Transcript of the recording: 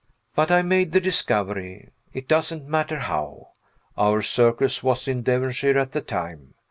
But I made the discovery it doesn't matter how. Our circus was in Devonshire at the time.